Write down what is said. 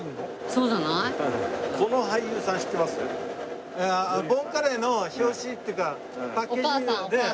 そうじゃない？ボンカレーの表紙っていうかパッケージ。